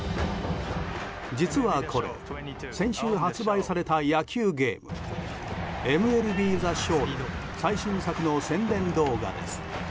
実はこれ先週発売された野球ゲーム「ＭＬＢＴｈｅＳｈｏｗ」の最新作の宣伝動画です。